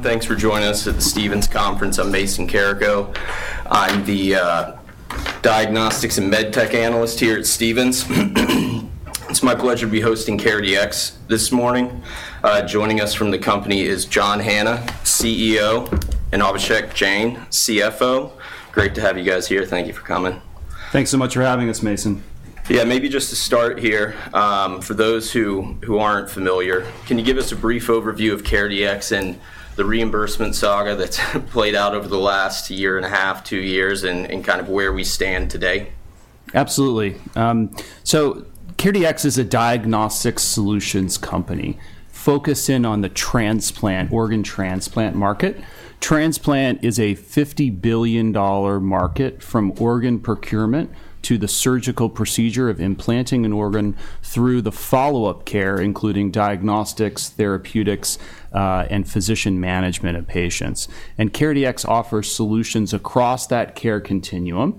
Thanks for joining us at the Stephens Conference. I'm Mason Carrico. I'm the diagnostics and medtech analyst here at Stephens. It's my pleasure to be hosting CareDx this morning. Joining us from the company is John Hanna, CEO, and Abhishek Jain, CFO. Great to have you guys here. Thank you for coming. Thanks so much for having us, Mason. Yeah, maybe just to start here, for those who aren't familiar, can you give us a brief overview of CareDx and the reimbursement saga that's played out over the last year and a half, two years, and kind of where we stand today? Absolutely. So CareDx is a diagnostics solutions company focused in on the organ transplant market. Transplant is a $50 billion market from organ procurement to the surgical procedure of implanting an organ through the follow-up care, including diagnostics, therapeutics, and physician management of patients. CareDx offers solutions across that care continuum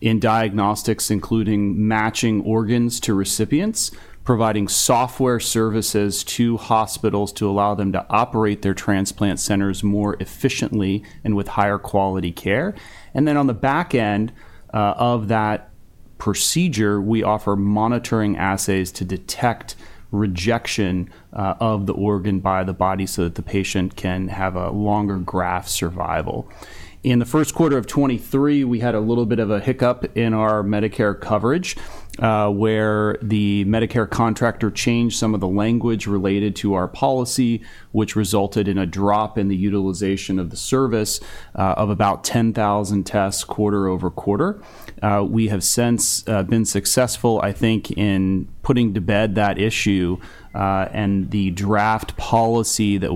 in diagnostics, including matching organs to recipients, providing software services to hospitals to allow them to operate their transplant centers more efficiently and with higher quality care. Then on the back end of that procedure, we offer monitoring assays to detect rejection of the organ by the body so that the patient can have a longer graft survival. In the first quarter of 2023, we had a little bit of a hiccup in our Medicare coverage where the Medicare contractor changed some of the language related to our policy, which resulted in a drop in the utilization of the service of about 10,000 tests quarter over quarter. We have since been successful, I think, in putting to bed that issue, and the draft policy that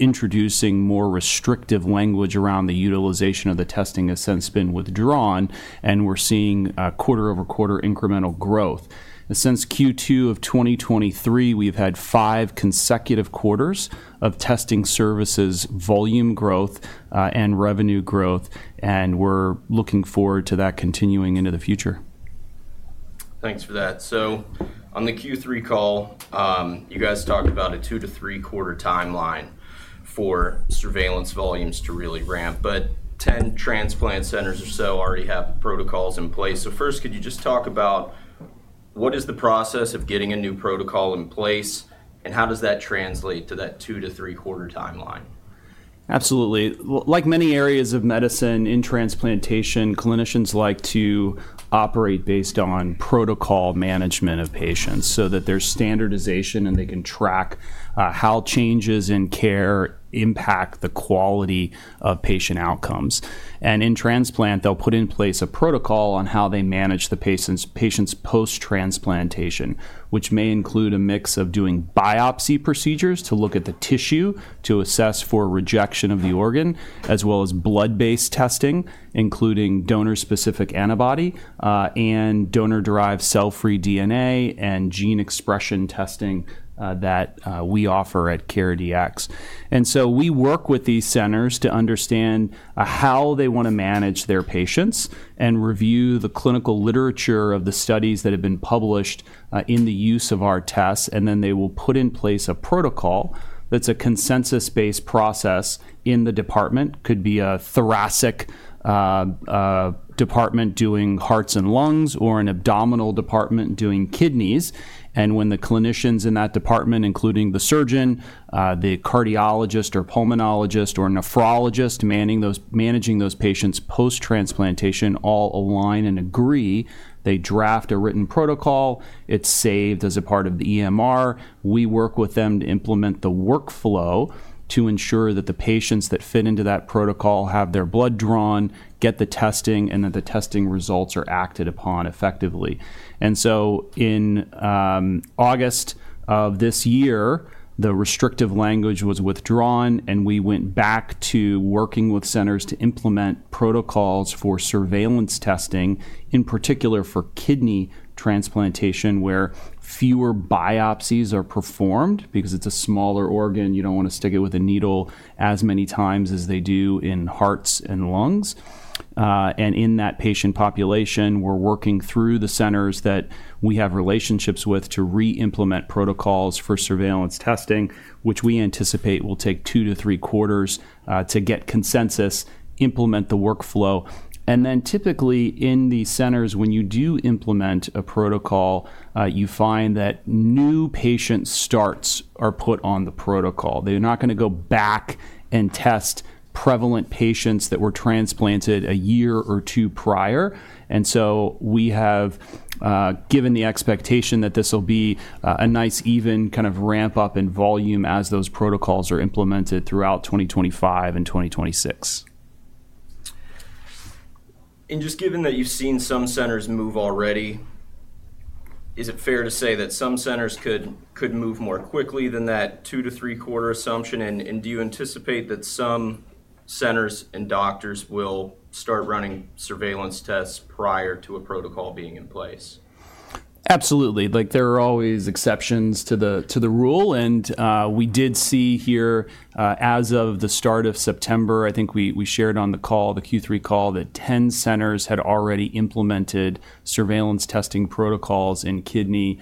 was introducing more restrictive language around the utilization of the testing has since been withdrawn, and we're seeing quarter over quarter incremental growth. Since Q2 of 2023, we've had five consecutive quarters of testing services volume growth and revenue growth, and we're looking forward to that continuing into the future. Thanks for that. So on the Q3 call, you guys talked about a two to three quarter timeline for surveillance volumes to really ramp, but 10 transplant centers or so already have protocols in place. So first, could you just talk about what is the process of getting a new protocol in place, and how does that translate to that two to three quarter timeline? Absolutely. Like many areas of medicine in transplantation, clinicians like to operate based on protocol management of patients so that there's standardization and they can track how changes in care impact the quality of patient outcomes. And in transplant, they'll put in place a protocol on how they manage the patient's post-transplantation, which may include a mix of doing biopsy procedures to look at the tissue to assess for rejection of the organ, as well as blood-based testing, including donor-specific antibody and donor-derived cell-free DNA and gene expression testing that we offer at CareDx. And so we work with these centers to understand how they want to manage their patients and review the clinical literature of the studies that have been published in the use of our tests, and then they will put in place a protocol that's a consensus-based process in the department. It could be a thoracic department doing hearts and lungs or an abdominal department doing kidneys, and when the clinicians in that department, including the surgeon, the cardiologist, or pulmonologist, or nephrologist managing those patients post-transplantation, all align and agree, they draft a written protocol. It's saved as a part of the EMR. We work with them to implement the workflow to ensure that the patients that fit into that protocol have their blood drawn, get the testing, and that the testing results are acted upon effectively, and so in August of this year, the restrictive language was withdrawn, and we went back to working with centers to implement protocols for surveillance testing, in particular for kidney transplantation, where fewer biopsies are performed because it's a smaller organ. You don't want to stick it with a needle as many times as they do in hearts and lungs. And in that patient population, we're working through the centers that we have relationships with to re-implement protocols for surveillance testing, which we anticipate will take two to three quarters to get consensus, implement the workflow. And then typically in these centers, when you do implement a protocol, you find that new patient starts are put on the protocol. They're not going to go back and test prevalent patients that were transplanted a year or two prior. And so we have given the expectation that this will be a nice even kind of ramp-up in volume as those protocols are implemented throughout 2025 and 2026. Just given that you've seen some centers move already, is it fair to say that some centers could move more quickly than that two- to three-quarter assumption? And do you anticipate that some centers and doctors will start running surveillance tests prior to a protocol being in place? Absolutely. There are always exceptions to the rule. And we did see here, as of the start of September, I think we shared on the call, the Q3 call, that 10 centers had already implemented surveillance testing protocols in kidney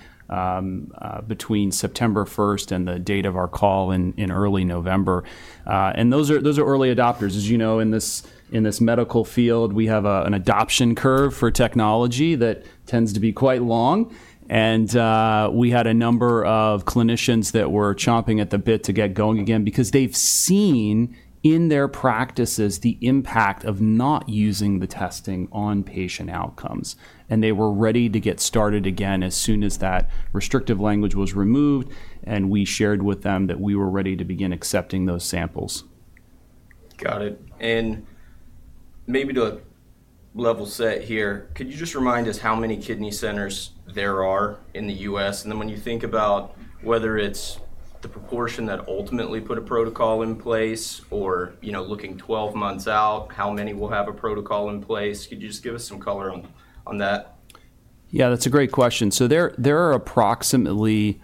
between September 1st and the date of our call in early November. And those are early adopters. As you know, in this medical field, we have an adoption curve for technology that tends to be quite long. And we had a number of clinicians that were chomping at the bit to get going again because they've seen in their practices the impact of not using the testing on patient outcomes. And they were ready to get started again as soon as that restrictive language was removed, and we shared with them that we were ready to begin accepting those samples. Got it. And maybe to a level set here, could you just remind us how many kidney centers there are in the U.S.? And then when you think about whether it's the proportion that ultimately put a protocol in place or looking 12 months out, how many will have a protocol in place? Could you just give us some color on that? Yeah, that's a great question, so there are approximately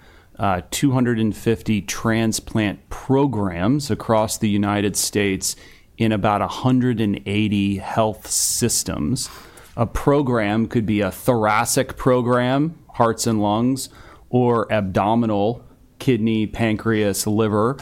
250 transplant programs across the United States in about 180 health systems. A program could be a thoracic program, hearts and lungs, or abdominal, kidney, pancreas, liver,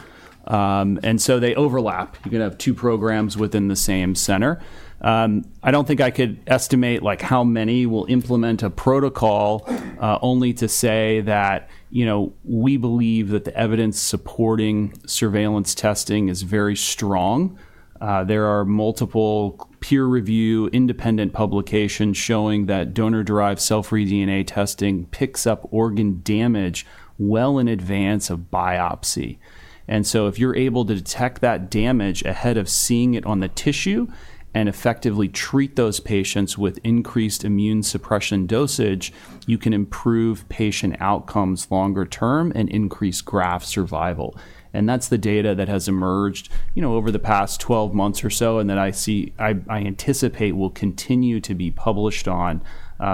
and so they overlap. You're going to have two programs within the same center. I don't think I could estimate how many will implement a protocol, only to say that we believe that the evidence supporting surveillance testing is very strong. There are multiple peer-reviewed independent publications showing that donor-derived cell-free DNA testing picks up organ damage well in advance of biopsy, and so if you're able to detect that damage ahead of seeing it on the tissue and effectively treat those patients with increased immune suppression dosage, you can improve patient outcomes longer term and increase graft survival. And that's the data that has emerged over the past 12 months or so and that I anticipate will continue to be published on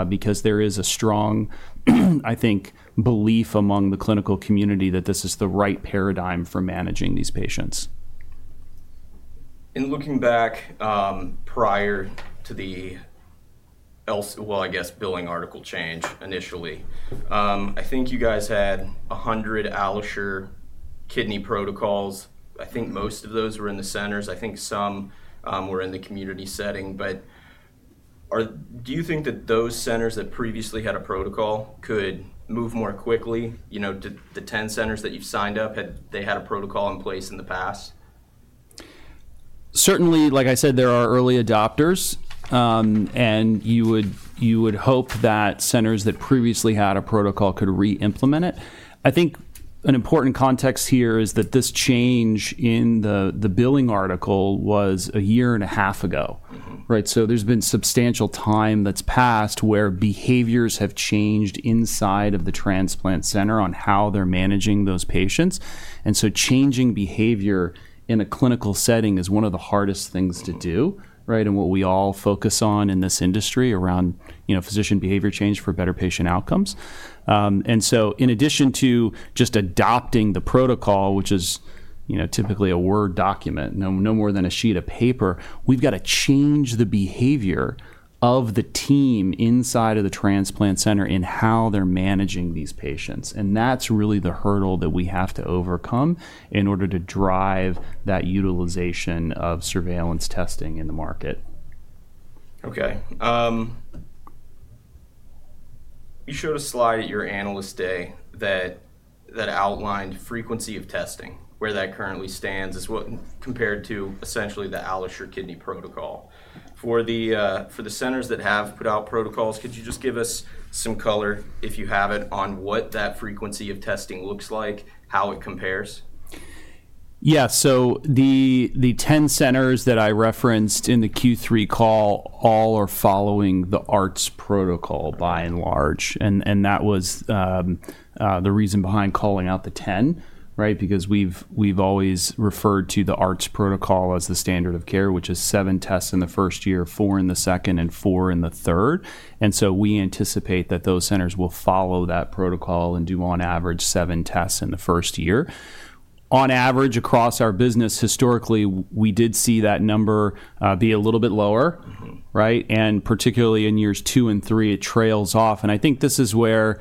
because there is a strong, I think, belief among the clinical community that this is the right paradigm for managing these patients. Looking back prior to the, well, I guess billing article change initially, I think you guys had 100 AlloSure Kidney protocols. I think most of those were in the centers. I think some were in the community setting. But do you think that those centers that previously had a protocol could move more quickly? The 10 centers that you've signed up, had they had a protocol in place in the past? Certainly, like I said, there are early adopters, and you would hope that centers that previously had a protocol could re-implement it. I think an important context here is that this change in the billing article was a year and a half ago, so there's been substantial time that's passed where behaviors have changed inside of the transplant center on how they're managing those patients, and so changing behavior in a clinical setting is one of the hardest things to do and what we all focus on in this industry around physician behavior change for better patient outcomes, and so in addition to just adopting the protocol, which is typically a Word document, no more than a sheet of paper, we've got to change the behavior of the team inside of the transplant center in how they're managing these patients. That's really the hurdle that we have to overcome in order to drive that utilization of surveillance testing in the market. Okay. You showed a slide at your Analyst Day that outlined frequency of testing, where that currently stands compared to essentially the AlloSure Kidney protocol. For the centers that have put out protocols, could you just give us some color, if you have it, on what that frequency of testing looks like, how it compares? Yeah. So the 10 centers that I referenced in the Q3 call all are following the ARTS protocol by and large. And that was the reason behind calling out the 10 because we've always referred to the ARTS protocol as the standard of care, which is seven tests in the first year, four in the second, and four in the third. And so we anticipate that those centers will follow that protocol and do, on average, seven tests in the first year. On average, across our business, historically, we did see that number be a little bit lower. And particularly in years two and three, it trails off. And I think this is where,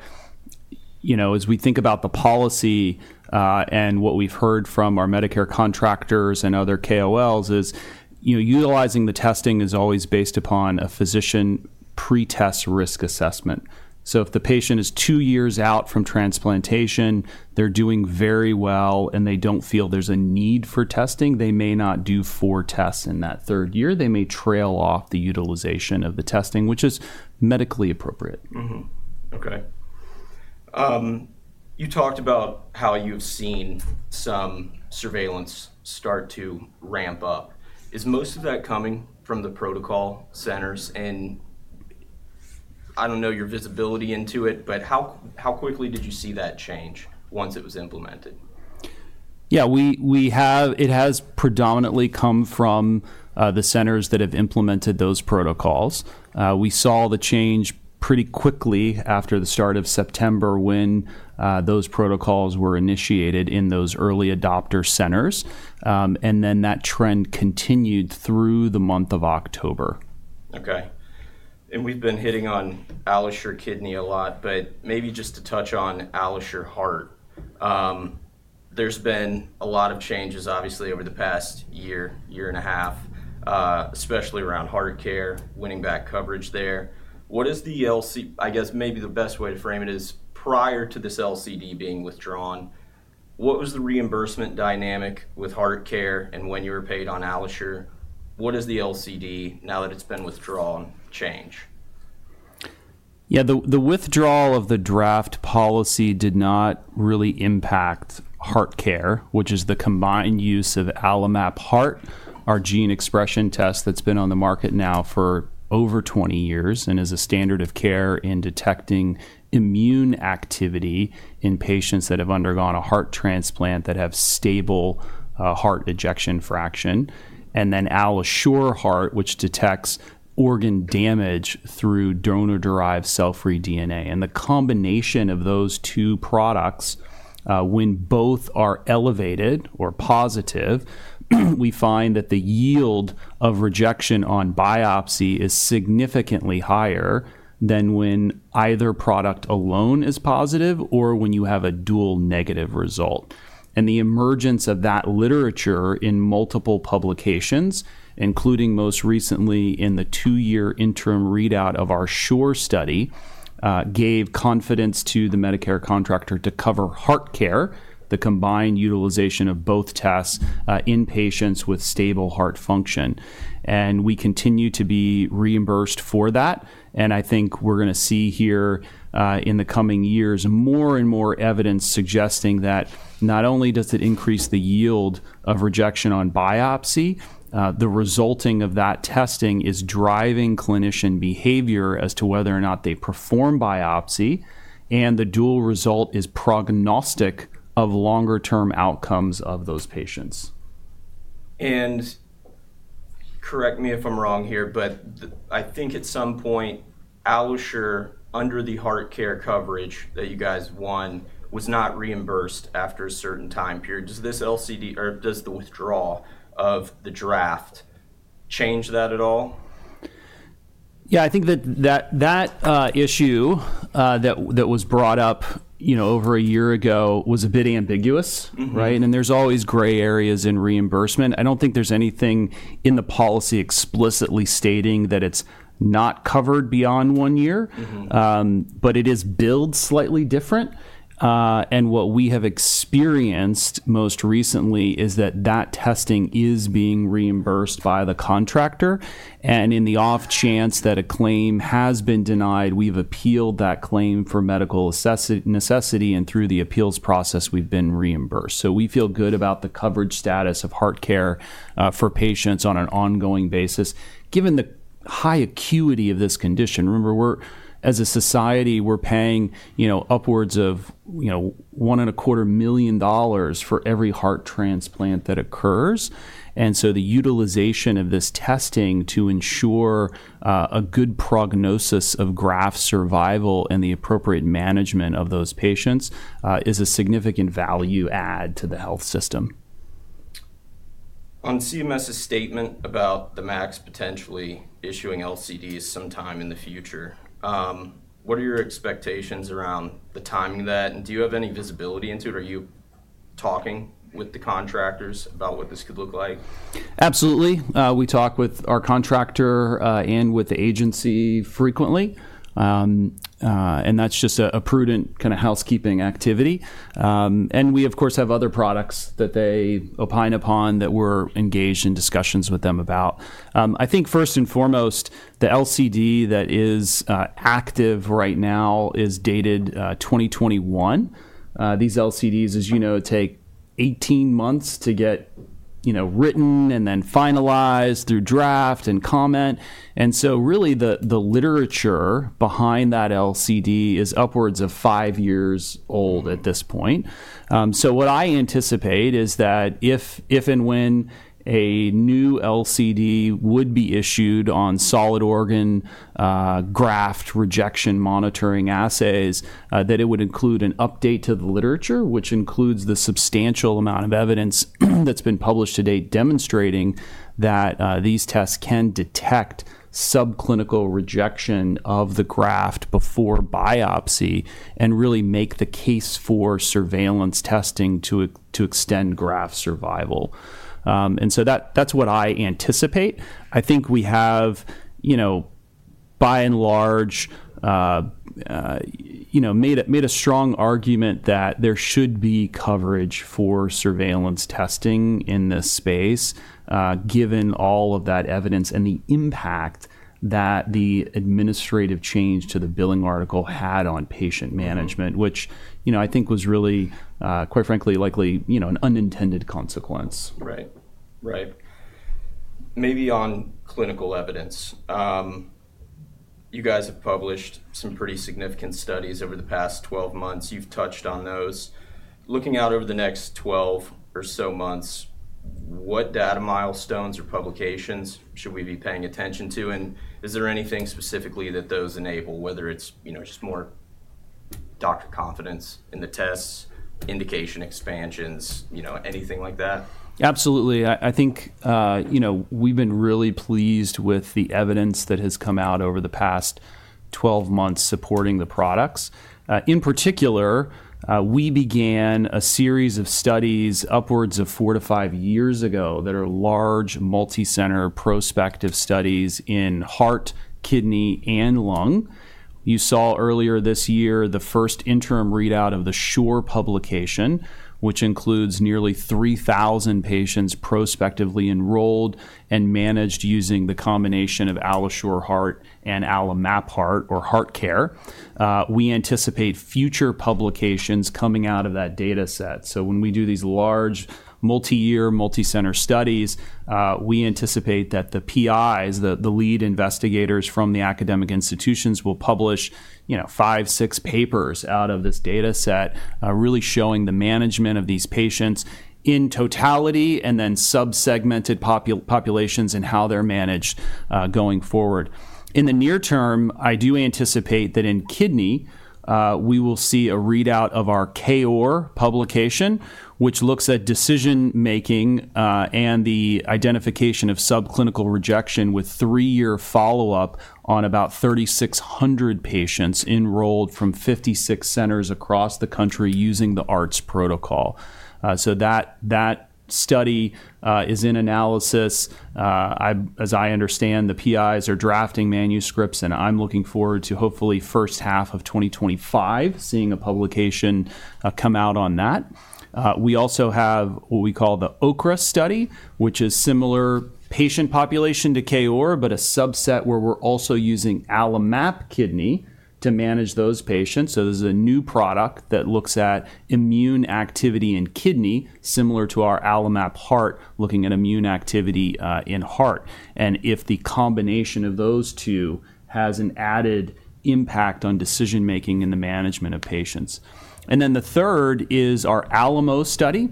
as we think about the policy and what we've heard from our Medicare contractors and other KOLs, is utilizing the testing is always based upon a physician pre-test risk assessment. If the patient is two years out from transplantation, they're doing very well, and they don't feel there's a need for testing. They may not do four tests in that third year. They may trail off the utilization of the testing, which is medically appropriate. Okay. You talked about how you've seen some surveillance start to ramp up. Is most of that coming from the protocol centers, and I don't know your visibility into it, but how quickly did you see that change once it was implemented? Yeah, it has predominantly come from the centers that have implemented those protocols. We saw the change pretty quickly after the start of September when those protocols were initiated in those early adopter centers, and then that trend continued through the month of October. Okay. And we've been hitting on AlloSure Kidney a lot, but maybe just to touch on AlloSure Heart. There's been a lot of changes, obviously, over the past year, year and a half, especially around HeartCare, winning back coverage there. What is the, I guess, maybe the best way to frame it is prior to this LCD being withdrawn, what was the reimbursement dynamic with HeartCare and when you were paid on AlloSure? What does the LCD, now that it's been withdrawn, change? Yeah, the withdrawal of the draft policy did not really impact HeartCare, which is the combined use of AlloMap Heart, our gene expression test that's been on the market now for over 20 years and is a standard of care in detecting immune activity in patients that have undergone a heart transplant that have stable heart ejection fraction, and then AlloSure Heart, which detects organ damage through donor-derived cell-free DNA. The combination of those two products, when both are elevated or positive, we find that the yield of rejection on biopsy is significantly higher than when either product alone is positive or when you have a dual negative result. The emergence of that literature in multiple publications, including most recently in the two-year interim readout of our SHORE study, gave confidence to the Medicare contractor to cover HeartCare, the combined utilization of both tests in patients with stable heart function. We continue to be reimbursed for that. I think we're going to see here in the coming years more and more evidence suggesting that not only does it increase the yield of rejection on biopsy, the results of that testing is driving clinician behavior as to whether or not they perform biopsy, and the dual result is prognostic of longer-term outcomes of those patients. Correct me if I'm wrong here, but I think at some point, AlloSure, under the HeartCare coverage that you guys won, was not reimbursed after a certain time period. Does this LCD or does the withdrawal of the draft change that at all? Yeah, I think that that issue that was brought up over a year ago was a bit ambiguous. And there's always gray areas in reimbursement. I don't think there's anything in the policy explicitly stating that it's not covered beyond one year, but it is billed slightly different. And what we have experienced most recently is that that testing is being reimbursed by the contractor. And in the off chance that a claim has been denied, we've appealed that claim for medical necessity, and through the appeals process, we've been reimbursed. So we feel good about the coverage status of HeartCare for patients on an ongoing basis. Given the high acuity of this condition, remember, as a society, we're paying upwards of $1.25 million for every heart transplant that occurs. The utilization of this testing to ensure a good prognosis of graft survival and the appropriate management of those patients is a significant value add to the health system. On CMS's statement about the MACs potentially issuing LCDs sometime in the future, what are your expectations around the timing of that? And do you have any visibility into it? Are you talking with the contractors about what this could look like? Absolutely. We talk with our contractor and with the agency frequently. And that's just a prudent kind of housekeeping activity. And we, of course, have other products that they opine upon that we're engaged in discussions with them about. I think first and foremost, the LCD that is active right now is dated 2021. These LCDs, as you know, take 18 months to get written and then finalized through draft and comment. And so really, the literature behind that LCD is upwards of five years old at this point. So what I anticipate is that if and when a new LCD would be issued on solid organ graft rejection monitoring assays, that it would include an update to the literature, which includes the substantial amount of evidence that's been published to date demonstrating that these tests can detect subclinical rejection of the graft before biopsy and really make the case for surveillance testing to extend graft survival. And so that's what I anticipate. I think we have, by and large, made a strong argument that there should be coverage for surveillance testing in this space, given all of that evidence and the impact that the administrative change to the billing article had on patient management, which I think was really, quite frankly, likely an unintended consequence. Right. Right. Maybe on clinical evidence, you guys have published some pretty significant studies over the past 12 months. You've touched on those. Looking out over the next 12 or so months, what data milestones or publications should we be paying attention to? And is there anything specifically that those enable, whether it's just more doctor confidence in the tests, indication expansions, anything like that? Absolutely. I think we've been really pleased with the evidence that has come out over the past 12 months supporting the products. In particular, we began a series of studies upwards of four to five years ago that are large multi-center prospective studies in heart, kidney, and lung. You saw earlier this year the first interim readout of the SHORE publication, which includes nearly 3,000 patients prospectively enrolled and managed using the combination of AlloSure Heart and AlloMap Heart or HeartCare. We anticipate future publications coming out of that data set. So when we do these large multi-year, multi-center studies, we anticipate that the PIs, the lead investigators from the academic institutions, will publish five, six papers out of this data set, really showing the management of these patients in totality and then subsegmented populations and how they're managed going forward. In the near term, I do anticipate that in kidney, we will see a readout of our KOAR publication, which looks at decision-making and the identification of subclinical rejection with three-year follow-up on about 3,600 patients enrolled from 56 centers across the country using the ARTS protocol. So that study is in analysis. As I understand, the PIs are drafting manuscripts, and I'm looking forward to hopefully first half of 2025, seeing a publication come out on that. We also have what we call the OKRA study, which is similar patient population to KOAR, but a subset where we're also using AlloMap Kidney to manage those patients. So this is a new product that looks at immune activity in kidney, similar to our AlloMap Heart, looking at immune activity in heart. And if the combination of those two has an added impact on decision-making in the management of patients. And then the third is our ALAMO study,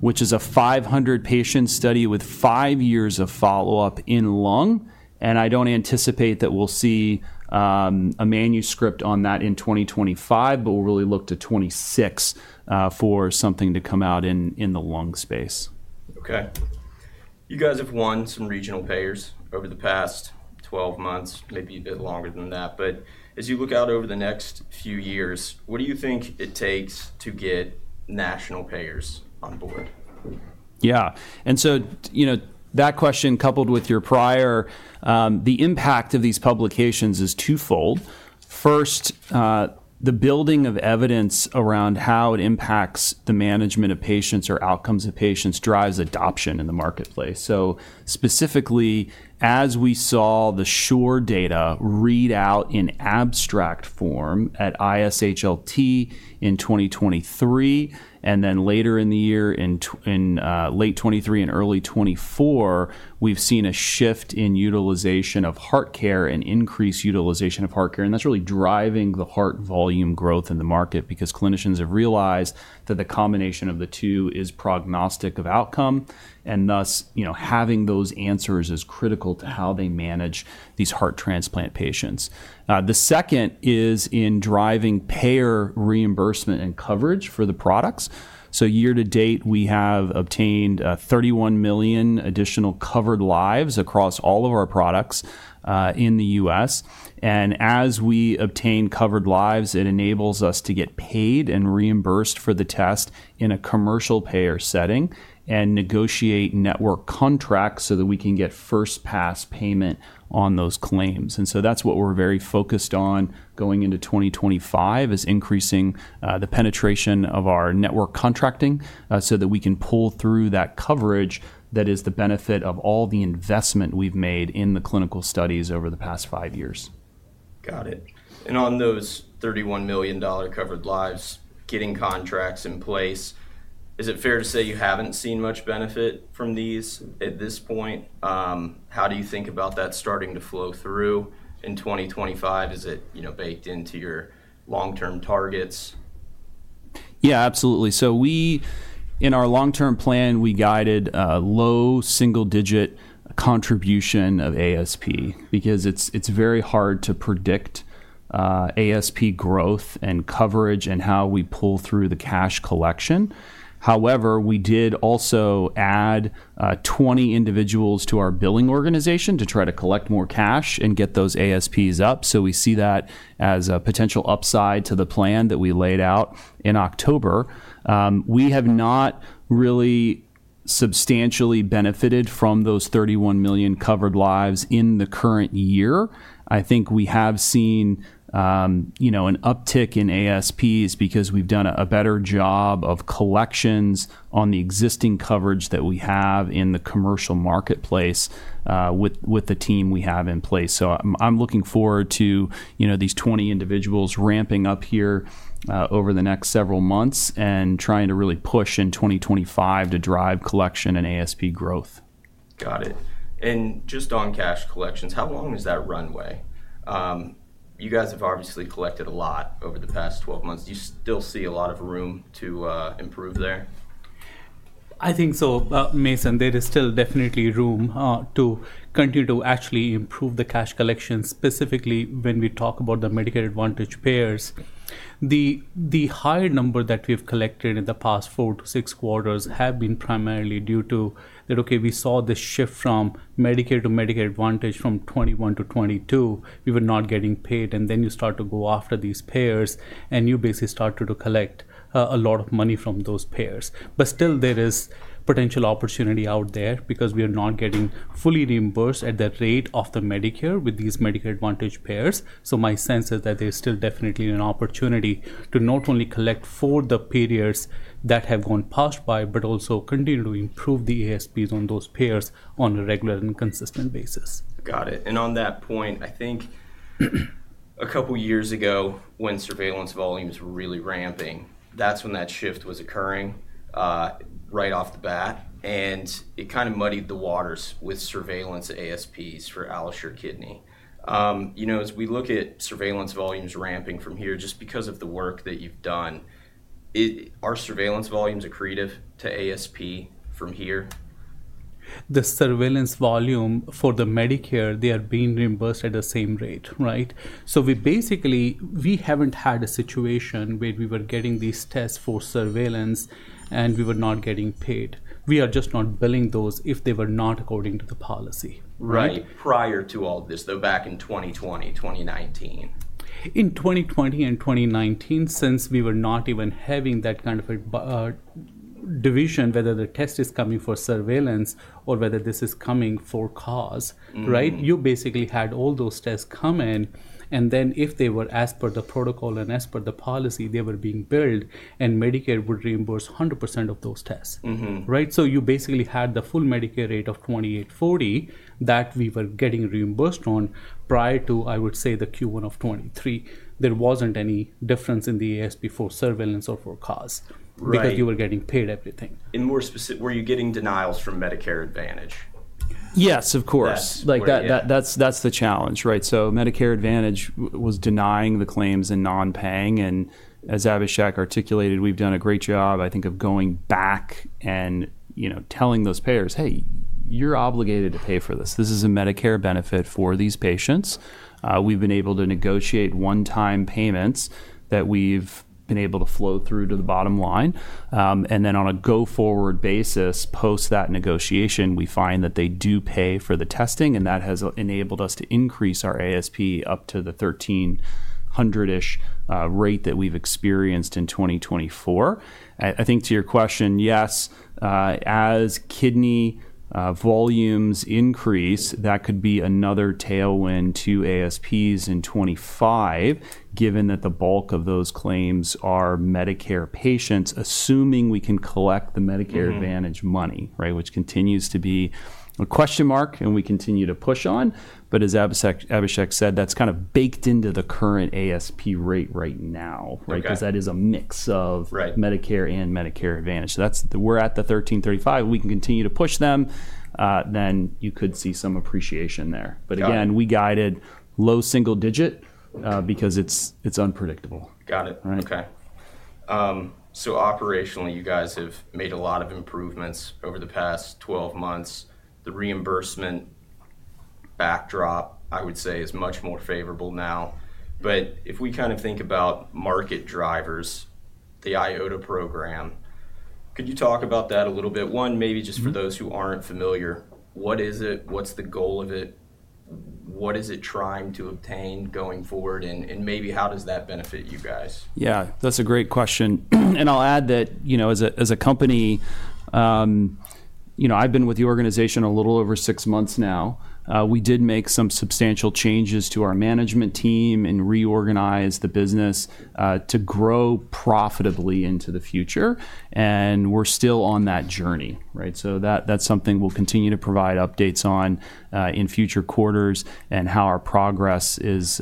which is a 500-patient study with five years of follow-up in lung. And I don't anticipate that we'll see a manuscript on that in 2025, but we'll really look to 2026 for something to come out in the lung space. Okay. You guys have won some regional payers over the past 12 months, maybe a bit longer than that, but as you look out over the next few years, what do you think it takes to get national payers on board? Yeah. And so that question, coupled with your prior, the impact of these publications is twofold. First, the building of evidence around how it impacts the management of patients or outcomes of patients drives adoption in the marketplace. So specifically, as we saw the AlloSure data read out in abstract form at ISHLT in 2023, and then later in the year, in late 2023 and early 2024, we've seen a shift in utilization of HeartCare and increased utilization of HeartCare. And that's really driving the heart volume growth in the market because clinicians have realized that the combination of the two is prognostic of outcome. And thus, having those answers is critical to how they manage these heart transplant patients. The second is in driving payer reimbursement and coverage for the products. So year to date, we have obtained 31 million additional covered lives across all of our products in the U.S. And as we obtain covered lives, it enables us to get paid and reimbursed for the test in a commercial payer setting and negotiate network contracts so that we can get first-pass payment on those claims. And so that's what we're very focused on going into 2025, is increasing the penetration of our network contracting so that we can pull through that coverage that is the benefit of all the investment we've made in the clinical studies over the past five years. Got it. And on those $31 million covered lives, getting contracts in place, is it fair to say you haven't seen much benefit from these at this point? How do you think about that starting to flow through in 2025? Is it baked into your long-term targets? Yeah, absolutely. So in our long-term plan, we guided a low single-digit contribution of ASP because it's very hard to predict ASP growth and coverage and how we pull through the cash collection. However, we did also add 20 individuals to our billing organization to try to collect more cash and get those ASPs up. So we see that as a potential upside to the plan that we laid out in October. We have not really substantially benefited from those 31 million covered lives in the current year. I think we have seen an uptick in ASPs because we've done a better job of collections on the existing coverage that we have in the commercial marketplace with the team we have in place. I'm looking forward to these 20 individuals ramping up here over the next several months and trying to really push in 2025 to drive collection and ASP growth. Got it. And just on cash collections, how long is that runway? You guys have obviously collected a lot over the past 12 months. Do you still see a lot of room to improve there? I think so, Mason. There is still definitely room to continue to actually improve the cash collection, specifically when we talk about the Medicare Advantage payers. The higher number that we've collected in the past four to six quarters have been primarily due to that, okay, we saw the shift from Medicare to Medicare Advantage from 2021 to 2022. We were not getting paid. And then you start to go after these payers, and you basically started to collect a lot of money from those payers. But still, there is potential opportunity out there because we are not getting fully reimbursed at the rate of the Medicare with these Medicare Advantage payers. So my sense is that there's still definitely an opportunity to not only collect for the payers that have gone past by, but also continue to improve the ASPs on those payers on a regular and consistent basis. Got it. And on that point, I think a couple of years ago, when surveillance volumes were really ramping, that's when that shift was occurring right off the bat. And it kind of muddied the waters with surveillance ASPs for AlloSure Kidney. As we look at surveillance volumes ramping from here, just because of the work that you've done, are surveillance volumes accretive to ASP from here? The surveillance volume for Medicare, they are being reimbursed at the same rate, right? So basically, we haven't had a situation where we were getting these tests for surveillance, and we were not getting paid. We are just not billing those if they were not according to the policy. Right. Prior to all this, though, back in 2020, 2019? In 2020 and 2019, since we were not even having that kind of a division, whether the test is coming for surveillance or whether this is coming for cause, right? You basically had all those tests come in, and then if they were as per the protocol and as per the policy, they were being billed, and Medicare would reimburse 100% of those tests, right, so you basically had the full Medicare rate of $2,840 that we were getting reimbursed on prior to, I would say, the Q1 of 2023. There wasn't any difference in the ASP for surveillance or for cause because you were getting paid everything. In more specific, were you getting denials from Medicare Advantage? Yes, of course. That's the challenge, right? So Medicare Advantage was denying the claims and non-paying. And as Abhishek articulated, we've done a great job, I think, of going back and telling those payers, "Hey, you're obligated to pay for this. This is a Medicare benefit for these patients." We've been able to negotiate one-time payments that we've been able to flow through to the bottom line. And then on a go-forward basis, post that negotiation, we find that they do pay for the testing. And that has enabled us to increase our ASP up to the $1,300-ish rate that we've experienced in 2024. I think to your question, yes, as kidney volumes increase, that could be another tailwind to ASPs in 2025, given that the bulk of those claims are Medicare patients, assuming we can collect the Medicare Advantage money, right, which continues to be a question mark and we continue to push on. But as Abhishek said, that's kind of baked into the current ASP rate right now, right? Because that is a mix of Medicare and Medicare Advantage. So we're at the $1,335. We can continue to push them. Then you could see some appreciation there. But again, we guided low single digit because it's unpredictable. Got it. Okay. So operationally, you guys have made a lot of improvements over the past 12 months. The reimbursement backdrop, I would say, is much more favorable now. But if we kind of think about market drivers, the IOTA program, could you talk about that a little bit? One, maybe just for those who aren't familiar, what is it? What's the goal of it? What is it trying to obtain going forward? And maybe how does that benefit you guys? Yeah, that's a great question. And I'll add that as a company, I've been with the organization a little over six months now. We did make some substantial changes to our management team and reorganize the business to grow profitably into the future. And we're still on that journey, right? So that's something we'll continue to provide updates on in future quarters and how our progress is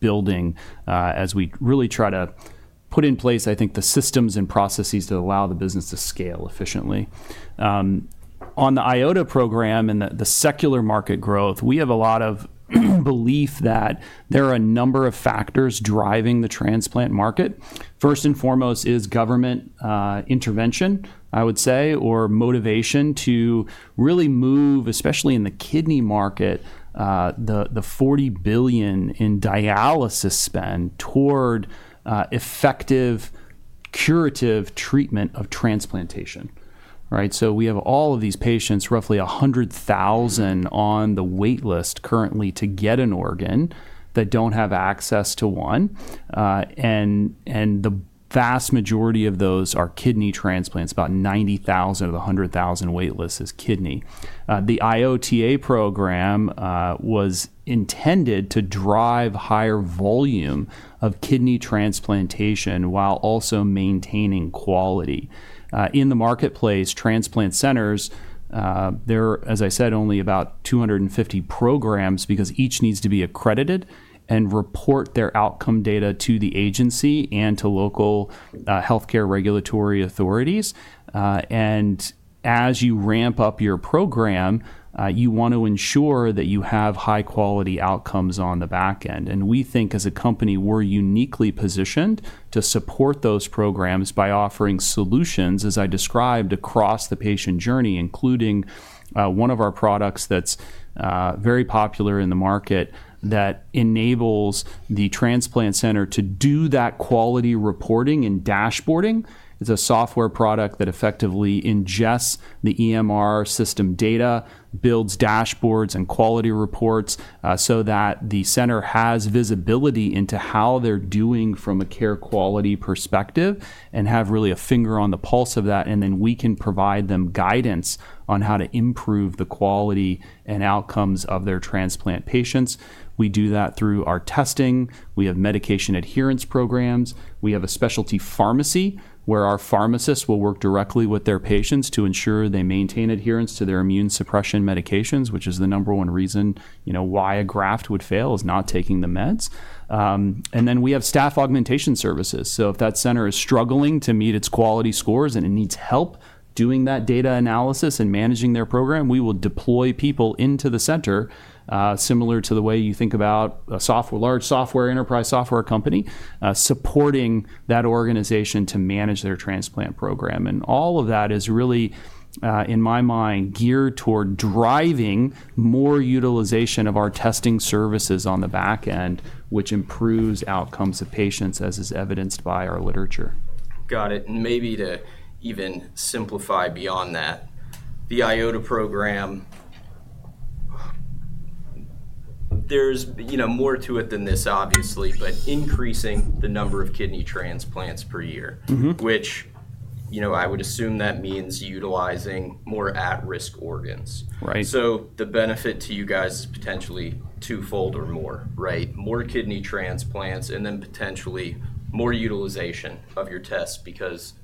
building as we really try to put in place, I think, the systems and processes to allow the business to scale efficiently. On the IOTA program and the secular market growth, we have a lot of belief that there are a number of factors driving the transplant market. First and foremost is government intervention, I would say, or motivation to really move, especially in the kidney market, the $40 billion in dialysis spend toward effective curative treatment of transplantation, right? We have all of these patients, roughly 100,000 on the waitlist currently to get an organ that don't have access to one. The vast majority of those are kidney transplants, about 90,000 of the 100,000 waitlist is kidney. The IOTA program was intended to drive higher volume of kidney transplantation while also maintaining quality. In the marketplace, transplant centers, there are, as I said, only about 250 programs because each needs to be accredited and report their outcome data to the agency and to local healthcare regulatory authorities. As you ramp up your program, you want to ensure that you have high-quality outcomes on the back end. We think as a company, we're uniquely positioned to support those programs by offering solutions, as I described, across the patient journey, including one of our products that's very popular in the market that enables the transplant center to do that quality reporting and dashboarding. It's a software product that effectively ingests the EMR system data, builds dashboards and quality reports so that the center has visibility into how they're doing from a care quality perspective and have really a finger on the pulse of that. And then we can provide them guidance on how to improve the quality and outcomes of their transplant patients. We do that through our testing. We have medication adherence programs. We have a specialty pharmacy where our pharmacists will work directly with their patients to ensure they maintain adherence to their immune suppression medications, which is the number one reason why a graft would fail, is not taking the meds. And then we have staff augmentation services. So if that center is struggling to meet its quality scores and it needs help doing that data analysis and managing their program, we will deploy people into the center, similar to the way you think about a large software enterprise software company, supporting that organization to manage their transplant program. And all of that is really, in my mind, geared toward driving more utilization of our testing services on the back end, which improves outcomes of patients, as is evidenced by our literature. Got it. And maybe to even simplify beyond that, the IOTA program, there's more to it than this, obviously, but increasing the number of kidney transplants per year, which I would assume that means utilizing more at-risk organs. So the benefit to you guys is potentially twofold or more, right? More kidney transplants and then potentially more utilization of your tests because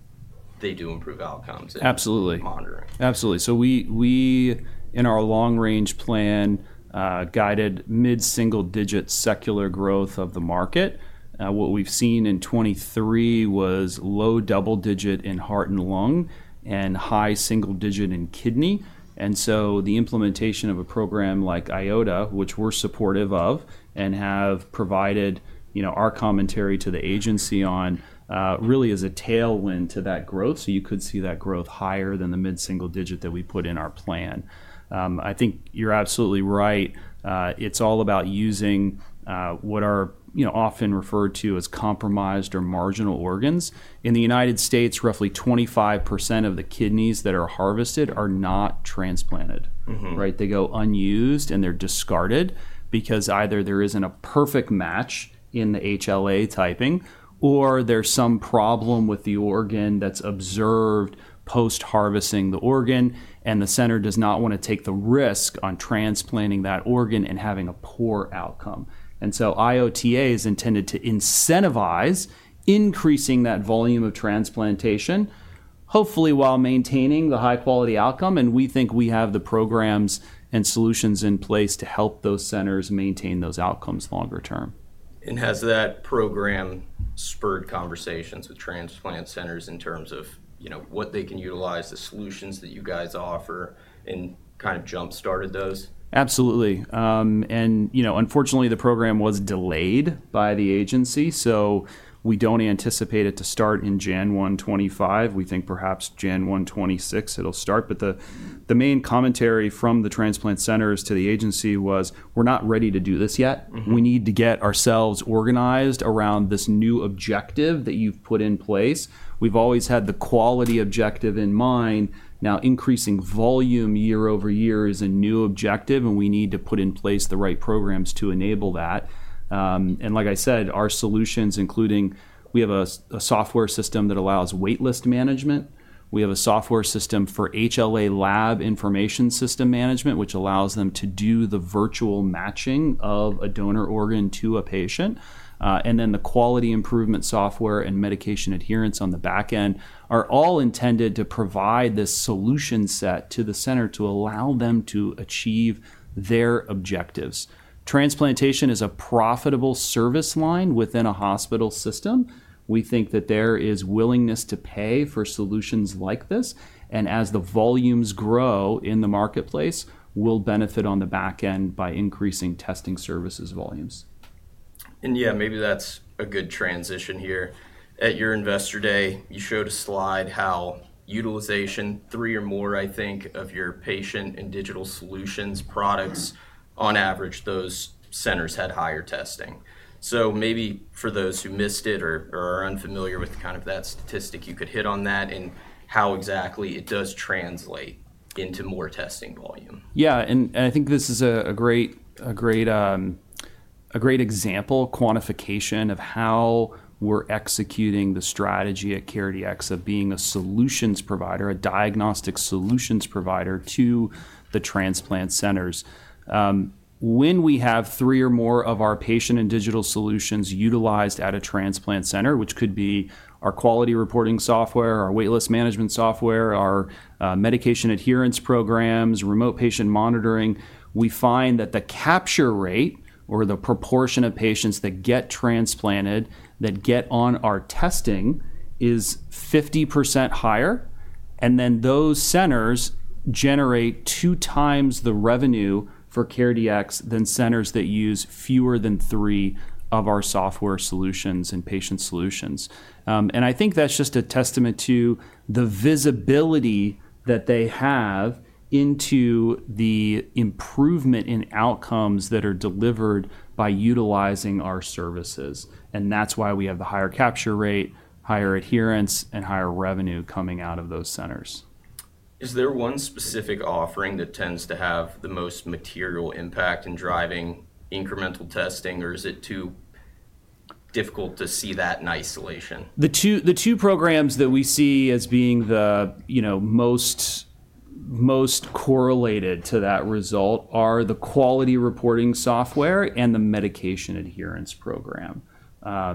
they do improve outcomes in monitoring. Absolutely. Absolutely. So we, in our long-range plan, guided mid-single-digit secular growth of the market. What we've seen in 2023 was low double-digit in heart and lung and high single-digit in kidney. And so the implementation of a program like IOTA, which we're supportive of and have provided our commentary to the agency on, really is a tailwind to that growth. So you could see that growth higher than the mid-single digit that we put in our plan. I think you're absolutely right. It's all about using what are often referred to as compromised or marginal organs. In the United States, roughly 25% of the kidneys that are harvested are not transplanted, right? They go unused and they're discarded because either there isn't a perfect match in the HLA typing or there's some problem with the organ that's observed post-harvesting the organ, and the center does not want to take the risk on transplanting that organ and having a poor outcome, and so IOTA is intended to incentivize increasing that volume of transplantation, hopefully while maintaining the high-quality outcome, and we think we have the programs and solutions in place to help those centers maintain those outcomes longer term. Has that program spurred conversations with transplant centers in terms of what they can utilize, the solutions that you guys offer and kind of jump-started those? Absolutely. And unfortunately, the program was delayed by the agency. So we don't anticipate it to start in January 2025. We think perhaps January 2026 it'll start. But the main commentary from the transplant centers to the agency was, "We're not ready to do this yet. We need to get ourselves organized around this new objective that you've put in place. We've always had the quality objective in mind. Now, increasing volume year over year is a new objective, and we need to put in place the right programs to enable that." And like I said, our solutions, including we have a software system that allows waitlist management. We have a software system for HLA Lab Information System management, which allows them to do the virtual matching of a donor organ to a patient. And then the quality improvement software and medication adherence on the back end are all intended to provide this solution set to the center to allow them to achieve their objectives. Transplantation is a profitable service line within a hospital system. We think that there is willingness to pay for solutions like this. And as the volumes grow in the marketplace, we'll benefit on the back end by increasing testing services volumes. Yeah, maybe that's a good transition here. At your investor day, you showed a slide how utilization, three or more, I think, of your patient and digital solutions products, on average, those centers had higher testing. Maybe for those who missed it or are unfamiliar with kind of that statistic, you could hit on that and how exactly it does translate into more testing volume. Yeah, and I think this is a great example, quantification of how we're executing the strategy at CareDx of being a solutions provider, a diagnostic solutions provider to the transplant centers. When we have three or more of our patient and digital solutions utilized at a transplant center, which could be our quality reporting software, our waitlist management software, our medication adherence programs, remote patient monitoring, we find that the capture rate or the proportion of patients that get transplanted, that get on our testing is 50% higher, and then those centers generate two times the revenue for CareDx than centers that use fewer than three of our software solutions and patient solutions, and I think that's just a testament to the visibility that they have into the improvement in outcomes that are delivered by utilizing our services. That's why we have the higher capture rate, higher adherence, and higher revenue coming out of those centers. Is there one specific offering that tends to have the most material impact in driving incremental testing, or is it too difficult to see that in isolation? The two programs that we see as being the most correlated to that result are the quality reporting software and the medication adherence program.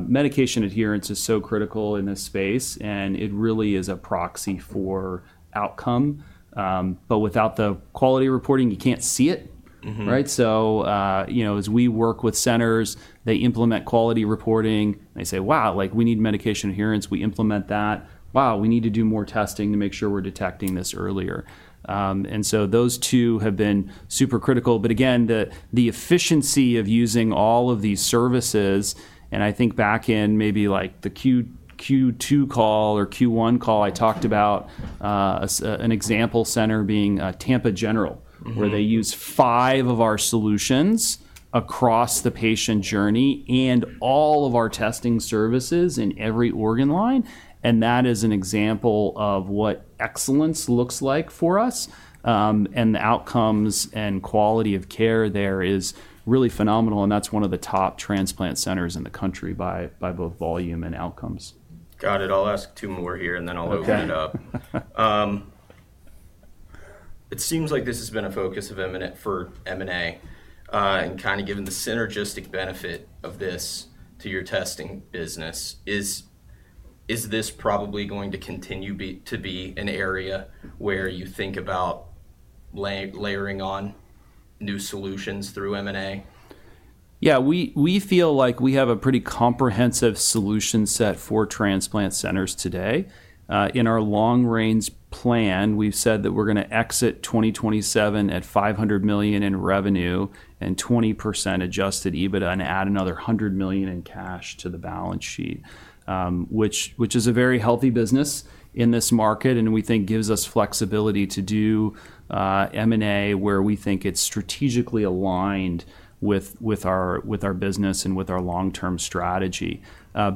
Medication adherence is so critical in this space, and it really is a proxy for outcome. But without the quality reporting, you can't see it, right? So as we work with centers, they implement quality reporting. They say, "Wow, we need medication adherence. We implement that. Wow, we need to do more testing to make sure we're detecting this earlier." And so those two have been super critical. But again, the efficiency of using all of these services, and I think back in maybe the Q2 call or Q1 call, I talked about an example center being Tampa General, where they use five of our solutions across the patient journey and all of our testing services in every organ line. That is an example of what excellence looks like for us. The outcomes and quality of care there is really phenomenal. That's one of the top transplant centers in the country by both volume and outcomes. Got it. I'll ask two more here, and then I'll open it up. It seems like this has been a focus of M&A and kind of given the synergistic benefit of this to your testing business. Is this probably going to continue to be an area where you think about layering on new solutions through M&A? Yeah. We feel like we have a pretty comprehensive solution set for transplant centers today. In our long-range plan, we've said that we're going to exit 2027 at $500 million in revenue and 20% adjusted EBITDA and add another $100 million in cash to the balance sheet, which is a very healthy business in this market and we think gives us flexibility to do M&A where we think it's strategically aligned with our business and with our long-term strategy.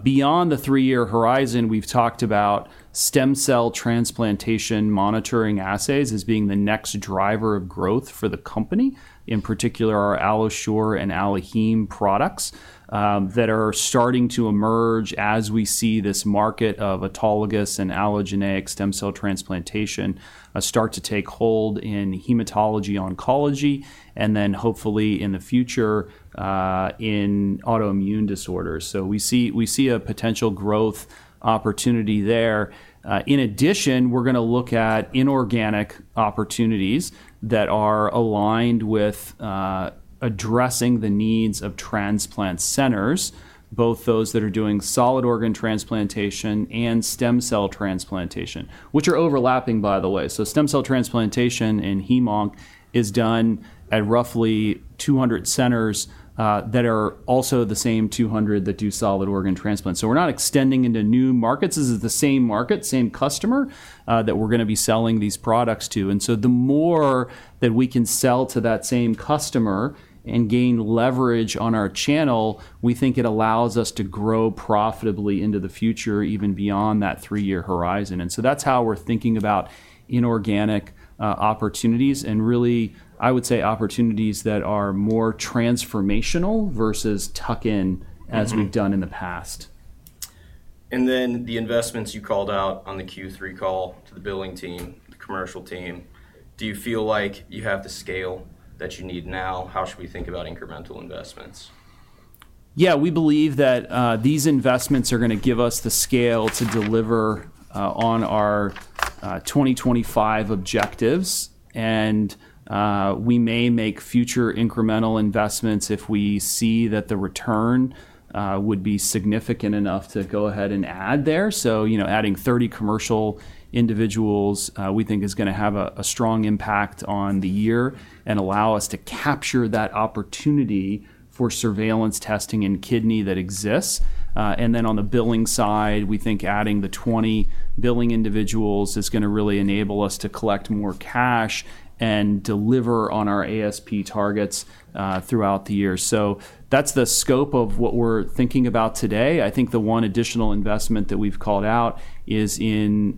Beyond the three-year horizon, we've talked about stem cell transplantation monitoring assays as being the next driver of growth for the company, in particular our AlloSure and AlloHeme products that are starting to emerge as we see this market of autologous and allogeneic stem cell transplantation start to take hold in hematology oncology and then hopefully in the future in autoimmune disorders. So we see a potential growth opportunity there. In addition, we're going to look at inorganic opportunities that are aligned with addressing the needs of transplant centers, both those that are doing solid organ transplantation and stem cell transplantation, which are overlapping, by the way. So stem cell transplantation and HemOnc is done at roughly 200 centers that are also the same 200 that do solid organ transplant. So we're not extending into new markets. This is the same market, same customer that we're going to be selling these products to. And so the more that we can sell to that same customer and gain leverage on our channel, we think it allows us to grow profitably into the future, even beyond that three-year horizon. And so that's how we're thinking about inorganic opportunities and really, I would say, opportunities that are more transformational versus tuck-in as we've done in the past. Then the investments you called out on the Q3 call to the billing team, the commercial team, do you feel like you have the scale that you need now? How should we think about incremental investments? Yeah, we believe that these investments are going to give us the scale to deliver on our 2025 objectives. And we may make future incremental investments if we see that the return would be significant enough to go ahead and add there. So adding 30 commercial individuals, we think, is going to have a strong impact on the year and allow us to capture that opportunity for surveillance testing in kidney that exists. And then on the billing side, we think adding the 20 billing individuals is going to really enable us to collect more cash and deliver on our ASP targets throughout the year. So that's the scope of what we're thinking about today. I think the one additional investment that we've called out is in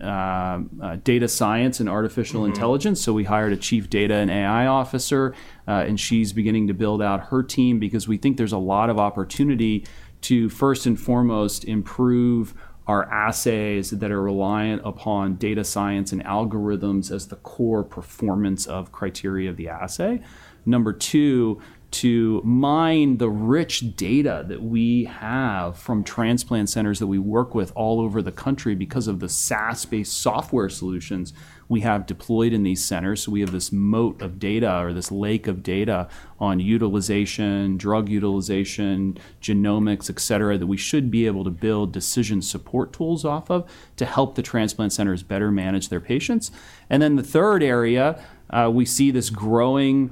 data science and artificial intelligence. We hired a chief data and AI officer, and she's beginning to build out her team because we think there's a lot of opportunity to, first and foremost, improve our assays that are reliant upon data science and algorithms as the core performance of criteria of the assay. Number two, to mine the rich data that we have from transplant centers that we work with all over the country because of the SaaS-based software solutions we have deployed in these centers. We have this moat of data or this lake of data on utilization, drug utilization, genomics, etc., that we should be able to build decision support tools off of to help the transplant centers better manage their patients. And then the third area, we see this growing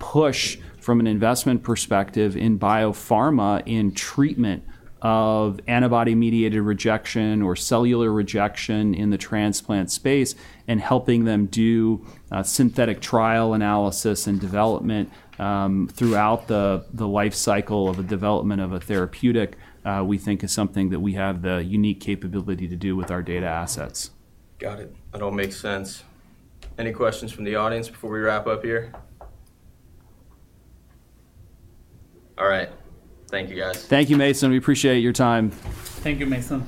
push from an investment perspective in biopharma in treatment of antibody-mediated rejection or cellular rejection in the transplant space, and helping them do synthetic trial analysis and development throughout the life cycle of a development of a therapeutic, we think, is something that we have the unique capability to do with our data assets. Got it. That all makes sense. Any questions from the audience before we wrap up here? All right. Thank you, guys. Thank you, Mason. We appreciate your time. Thank you, Mason.